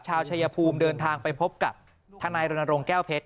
ชายภูมิเดินทางไปพบกับทนายรณรงค์แก้วเพชร